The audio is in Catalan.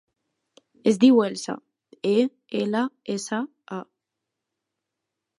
Es diu Elsa: e, ela, essa, a.